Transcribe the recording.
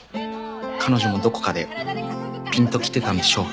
彼女もどこかでピンときてたんでしょう。